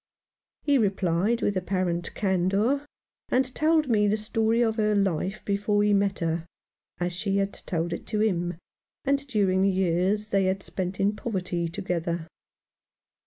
He replied with apparent candour, and told me the story of her life before he met her — as she had told it to him — and during the years they spent in poverty together.